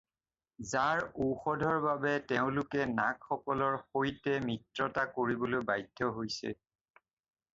যাৰ ঔষধৰ বাবে তেওঁলোকে নাগসকলৰ সৈতে মিত্ৰতা কৰিবলৈ বাধ্য হৈছে।